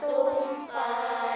tanah tumpah darapu